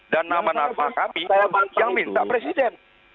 dan nama nama kami yang minta presiden